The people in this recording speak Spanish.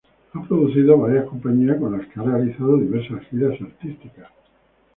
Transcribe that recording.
Ha producido varias compañías con las que ha realizado diversas giras artísticas.